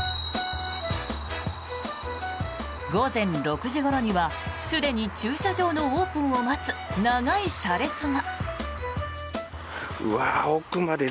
午前６時ごろにはすでに駐車場のオープンを待つ長い車列が。